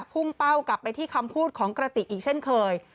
พุ่งเป้ากลับไปที่คำพูดของกระติกอีกเช่นเคย